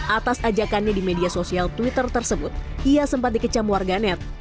atas ajakannya di media sosial twitter tersebut ia sempat dikecam warganet